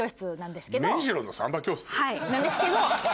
はいなんですけど。